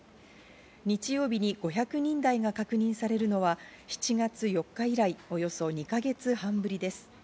日曜日に５００人台が確認されるのは７月４日以来、およそ２か月半ぶりです。